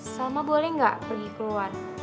salma boleh nggak pergi keluar